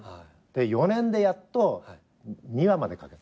４年でやっと２話まで書けた。